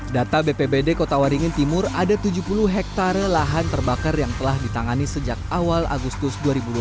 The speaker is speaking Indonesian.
data bpbd kota waringin timur ada tujuh puluh hektare lahan terbakar yang telah ditangani sejak awal agustus dua ribu dua puluh